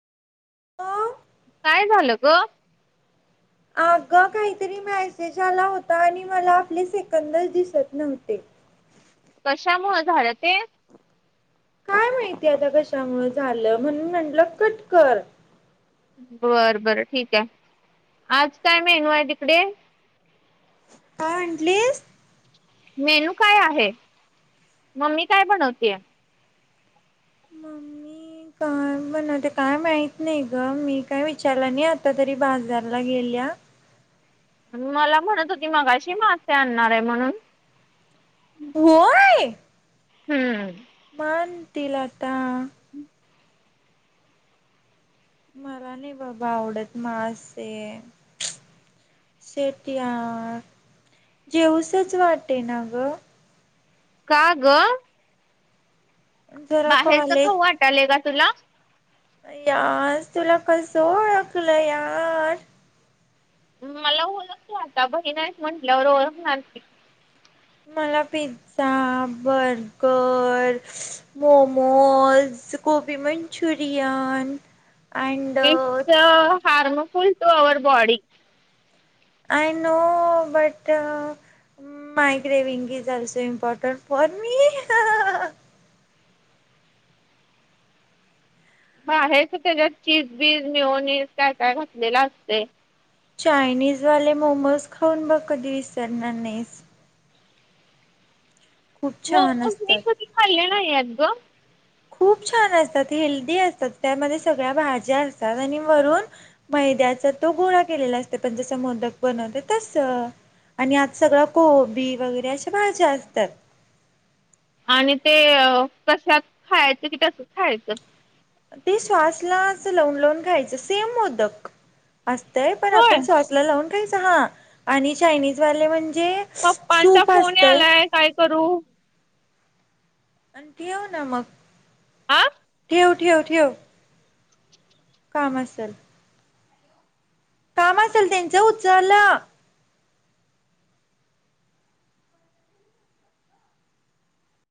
का? काय झालं ग? अगं काहीतरी मॅसेज आला होता, आणि मला आपले सेकंदच दिसत नव्हते. कशामुळे झालं ते? काय माहितीय आता कशामुळे झालं, म्हणून म्हटलं कट कर. बर बरं ठीक आहे, आज काय मेनू आहे तिकडे? काय म्हणटलीस? मेनू काय आहे? मम्मी काय बनवतेय? [inaudible] ती काय बनवते काय माहित नाय ग, मी काय विचारलं नाही आता तरी बाजारला गेल्या. मला म्हणत होती मगाशी मासे आणणार आहे म्हणून. होय! हम्म. मग आणतील आता. मला नाही बाबा आवडत, मासे. शेट्या यार! जेऊसच वाटे ना ग. का ग? जरा बाहेरचं कॉलेज खाऊ वाटालंय का तुला? यार तुला कसं ओळखलं यार. मला ओळखते आता बहीण आहेस म्हटल्यावर ओळखणार की. मला pizza, burger. Momos, gobi manchurian. It's a harmful to our body. I know! But? मायक्रेविंग is also important for me. ह हेच त्याच्यात चीज बीज मीयोनीज काय काय घातलेला असते. चायनीज वाले मोमोज खाऊन बघ कधी विसरणार नाहीस. खूप छान मोमोज मी असतात. कधी खाल्ले नाही येत ग? खूप छान असतात, हेल्दी असतात त्यामध्ये सगळ्या भाज्या असतात आणि वरून मैद्याचा तो गोळा केलेला असते आपण जसं मोदक बनवतो तस. आणि आत सगळं कोबी वगैरे अश्या भाज्या असतात. आणि ते कशात खायचं कि तसच खायचं? ते सॉसलाच लावून लावून खायचं, सेम मोदक असतय पण होय आपण सॉस ला लावून खायच हा आणि चायनीज वाले म्हणजे पप्पांचा सूप फोन असतंय यालाय काय करू? आण ठेव ना मग. आं? ठेव ठेव ठेव. काम असल? काम असेल त्यांचं उचल.